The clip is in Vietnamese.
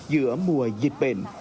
giữa mùa dịch bệnh